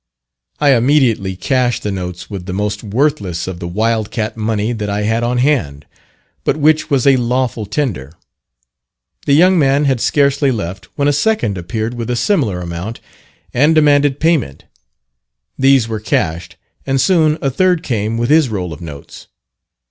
I immediately cashed the notes with the most worthless of the Wild Cat money that I had on hand, but which was a lawful tender. The young man had scarcely left when a second appeared with a similar amount, and demanded payment. These were cashed, and soon a third came with his roll of notes.